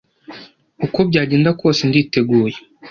uko byagenda kose, nditeguye.